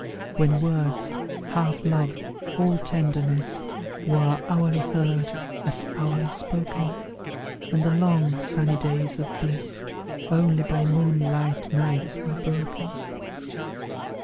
"When words, half love, all tenderness, Were hourly heard, as hourly spoken, When the long, sunny days of bliss Only by moonlight nights were broken.